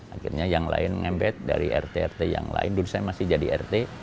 akhirnya yang lain ngembet dari rt rt yang lain dulu saya masih jadi rt